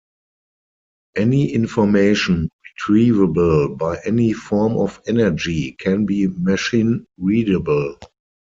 Any information retrievable by any form of energy can be machine-readable.